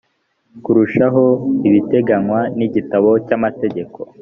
kurushaho biteganywa n igitabo cy amategeko